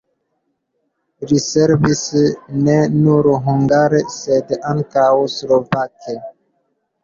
Li servis ne nur hungare, sed ankaŭ slovake.